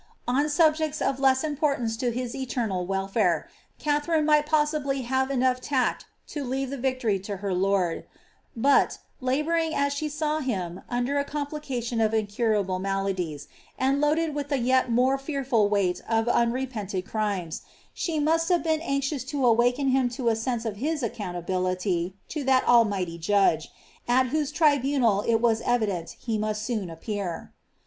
On subjects of less importance to his eternal welfare, Katharine might possibly have had tact enough to leave the victory to her lord ; but, labouring as the saw him under a complication of incurable maladies, and loaded with t yet more fearful weight of unrepented crimes, she must have bseo anxidus to awaken him to a sense of his accountability to that Almighty Judge, at whose tribunal it was evident he must soon appear.